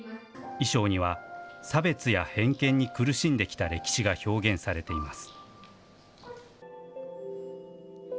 衣装には、差別や偏見に苦しんできた歴史が表現されています。